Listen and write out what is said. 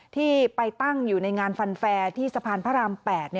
ที่ไปตั้งอยู่ในงานฟันแฟร์ที่สะพานพระราม๘